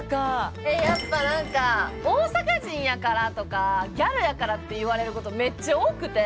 えやっぱ何か大阪人やからとかギャルやからって言われることめっちゃ多くて。